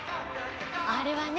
あれはね